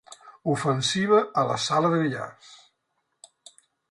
Ofensiva a la sala de billars.